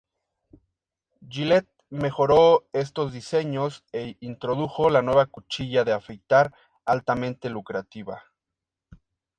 Gillette mejoró estos diseños e introdujo la nueva cuchilla de afeitar altamente lucrativa.